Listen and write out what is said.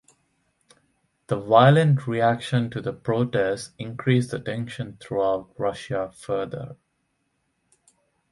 The violent reaction to the protest increased the tension throughout Russia further.